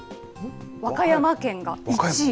和歌山県が１位。